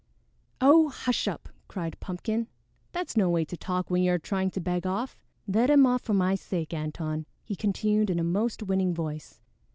"Oh, hush up!" cried Pumpkin. "That's no way to talk when you are trying to beg off. Let him off for my sake, Antone," he continued in a most winning voice.